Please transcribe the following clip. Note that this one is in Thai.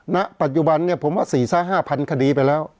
ณปัจจุบันเนี่ยผมแล้ว๔๕พันคดีไปแล้ว